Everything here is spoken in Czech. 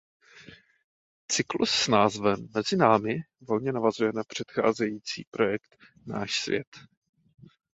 Cyklus s názvem "Mezi námi" volně navazuje na předcházející projekt "Náš svět".